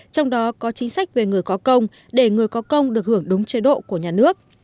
trong đó có chính sách về người có công để người có công được hưởng đúng chế độ của nhà nước